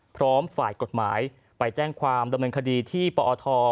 ฝ่ายกฎหมายไปแจ้งความดำเนินคดีที่ปอท